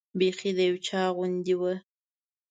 بیخي د یو چا غوندې وه.